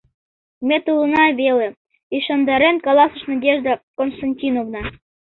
— Ме толына веле, — ӱшандарен каласыш Надежда Константиновна.